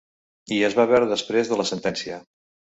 I es va veure després de la sentència.